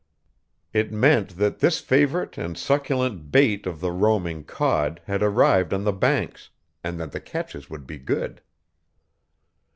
It meant that this favorite and succulent bait of the roaming cod had arrived on the Banks, and that the catches would be good.